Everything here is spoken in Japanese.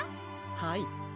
はい。